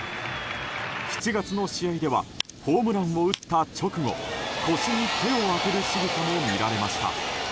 ７月の試合ではホームランを打った直後腰に手を当てるしぐさも見られました。